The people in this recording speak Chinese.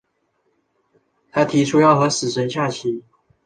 他提出要和死神下棋。